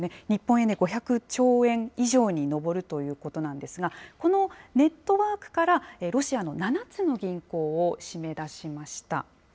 日本円で５００兆円以上に上るということなんですが、このネットワークから、ロシアの７つの銀行を締め出しました。